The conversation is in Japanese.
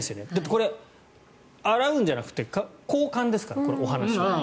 これ、洗うんじゃなくて交換ですから、お話は。